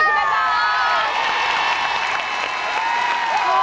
๒๑บาท